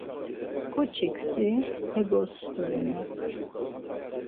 K̆oçik si egost̆urinu.